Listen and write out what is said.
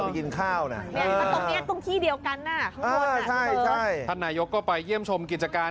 คุณนายนายกรักพวกเธอช้าขวาน